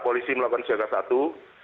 polisi melakukan siaga satu